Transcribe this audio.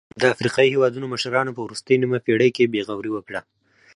د افریقايي هېوادونو مشرانو په وروستۍ نیمه پېړۍ کې بې غوري وکړه.